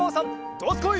どすこい！